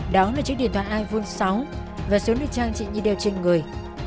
đó là chiếc điện thoại iphone sáu và số nơi trang trị như đều trên người